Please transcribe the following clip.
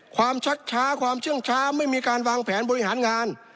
ชักช้าความเชื่องช้าไม่มีการวางแผนบริหารงาน